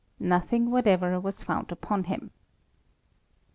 Nothing whatever was found upon him.